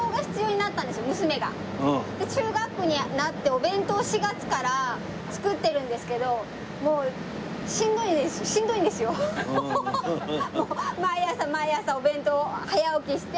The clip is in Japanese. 中学になってお弁当を４月から作ってるんですけどもうもう毎朝毎朝お弁当を早起きして。